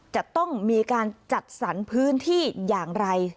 จะต้องมีการจัดสรรพื้นที่อย่างไร